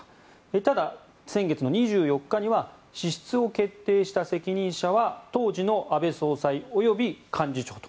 ただ、先月２４日には支出を決定した責任者は当時の安倍総裁及び幹事長と。